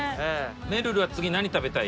めるるは次何食べたい？